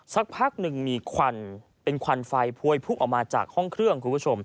สักพักหนึ่งมีควันเป็นควันไฟพวยพุ่งออกมาจากห้องเครื่องคุณผู้ชม